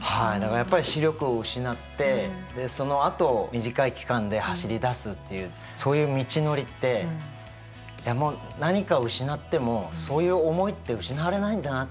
やっぱり視力を失ってそのあと短い期間で走りだすっていうそういう道のりって何かを失ってもそういう思いって失われないんだなって